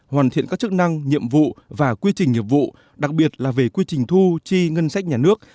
hoàn thiện các chức năng nhiệm vụ và quy trình nghiệp vụ đặc biệt là về quy trình thu chi ngân sách nhà nước